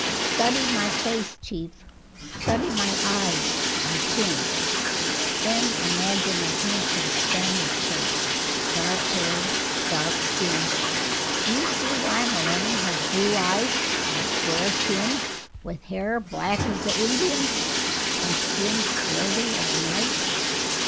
Study my face, Chief study my eyes, my chin. Then imagine a handsome Spanish face dark haired, dark skinned. Do you see why Maloney has blue eyes and a square chin with hair black as the Indian's and skin swarthy as night?